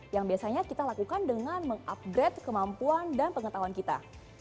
yang biasanya kita lakukan dengan mengupgrade kemampuan dan pengetahuan kita